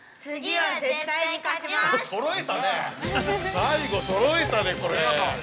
◆最後そろえたね。